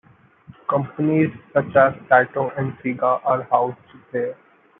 Companies such as Taito and Sega are housed there.